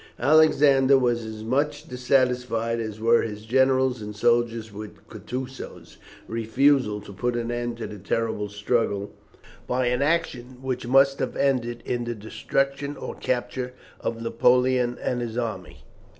Alexander was as much dissatisfied as were his generals and soldiers with Kutusow's refusal to put an end to the terrible struggle, by an action which must have ended in the destruction or capture of Napoleon and his army.